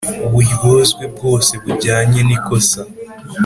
uburyozwe bwose bujyanye nikosa.